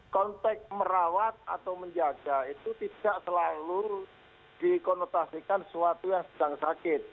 konteks merawat atau menjaga itu tidak selalu dikonotasikan sesuatu yang sedang sakit